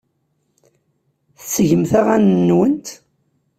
Tettgemt aɣanen-nwent?